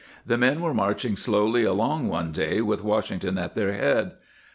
The men were marching slowly along one day with Wash ington at their head.